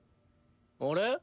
あれ？